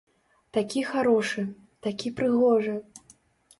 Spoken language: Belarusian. Такі харошы, такі прыгожы.